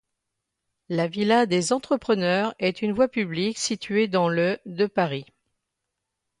La villa des Entrepreneurs est une voie publique située dans le de Paris.